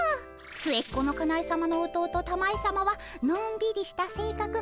末っ子のかなえさまの弟たまえさまはのんびりしたせいかく。